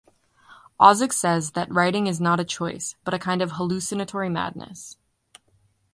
Ozick says that writing is not a choice but a kind of hallucinatory madness.